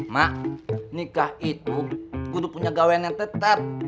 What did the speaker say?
mak nikah itu kudu punya gawean yang tetap